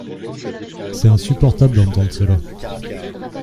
C’est insupportable d’entendre cela.